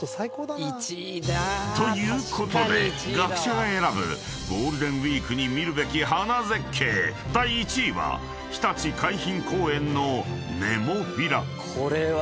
［ということで学者が選ぶゴールデンウイークに見るべき花絶景第１位はひたち海浜公園のネモフィラ］